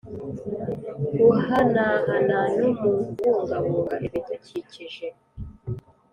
guhanahana no mu kubungabunga ibidukikije